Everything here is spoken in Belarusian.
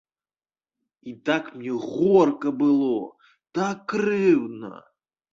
І так мне горка было, так крыўдна.